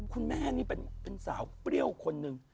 คุณแม่นี่เป็นสาวเปรี้ยวคนหนึ่ง